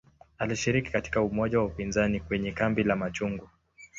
Alishiriki katika umoja wa upinzani kwenye "kambi la machungwa".